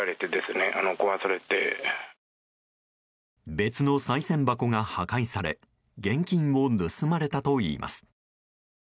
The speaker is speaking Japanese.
別のさい銭箱が破壊され現金を盗まれたといいます。